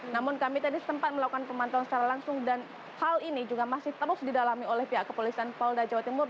namun kami tadi sempat melakukan pemantauan secara langsung dan hal ini juga masih terus didalami oleh pihak kepolisian polda jawa timur